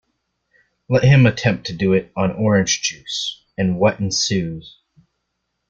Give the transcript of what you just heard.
Let him attempt to do it on orange juice, and what ensues?